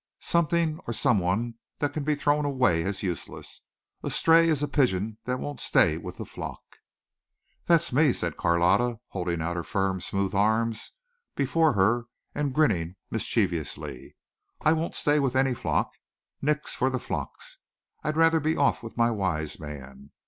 "Something or someone that can be thrown away as useless. A stray is a pigeon that won't stay with the flock." "That's me," said Carlotta, holding out her firm, smooth arms before her and grinning mischievously. "I won't stay with any flock. Nix for the flocks. I'd rather be off with my wise man.